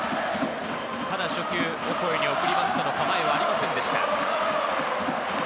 ただ初球、オコエに送りバントの構えはありませんでした。